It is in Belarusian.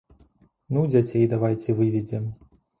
Ну, дзяцей давайце выведзем.